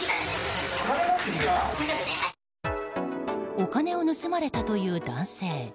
お金を盗まれたという男性。